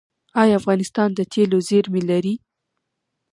آیا افغانستان د تیلو زیرمې لري؟